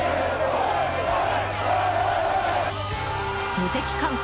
無敵艦隊